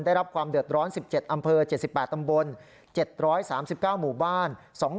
ได้รับความเดือดร้อน๑๗อำเภอ๗๘ตำบล๗๓๙หมู่บ้าน